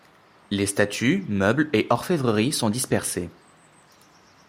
Les statues, meubles et orfèvreries sont dispersés.